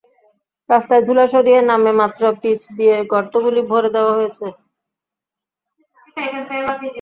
রাস্তায় ধুলা সরিয়ে নামে মাত্র পিচ দিয়ে গর্তগুলি ভরে দেওয়া হয়েছে।